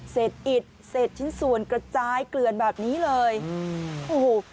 เสร็จอิดเศษชิ้นส่วนกระจายเกลือนแบบนี้เลยอืมโอ้โห